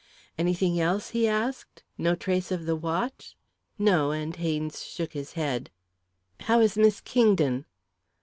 "Anything else?" he asked. "No trace of the watch?" "No," and Haynes shook his head. "How is Miss Kingdon?"